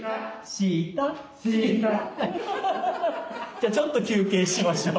じゃあちょっと休憩しましょう。